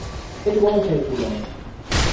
It won't take you long.